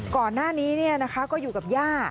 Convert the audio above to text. ก่อนหน้านี้เนี่ยนะคะก็อยู่กับย่า